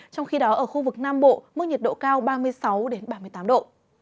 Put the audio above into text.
trong khi đó ở khu vực nam bộ mức nhiệt độ cao ba mươi sáu ba mươi tám độ